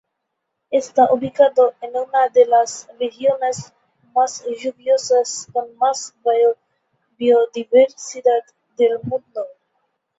Está ubicado en una de las regiones más lluviosas con más Biodiversidad del mundo.